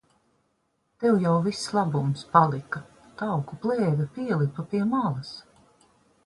Tev jau viss labums palika. Tauku plēve pielipa pie malas.